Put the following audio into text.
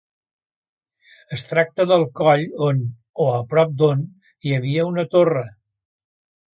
Es tracta del coll on, o a prop d'on, hi havia una torre.